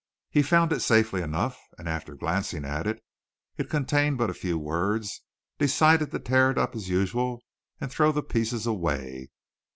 He found it safely enough, and after glancing at it it contained but few words decided to tear it up as usual and throw the pieces away.